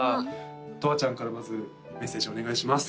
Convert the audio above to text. とわちゃんからまずメッセージお願いします